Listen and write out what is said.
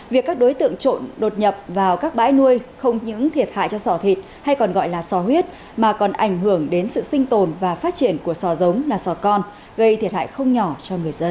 việc các đối tượng trộn đột nhập vào các bãi nuôi không những thiệt hại cho sỏ thịt hay còn gọi là sò huyết mà còn ảnh hưởng đến sự sinh tồn và phát triển của sò giống là sò con gây thiệt hại không nhỏ cho người dân